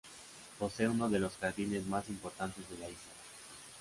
Posee unos de los jardines más importantes de la isla.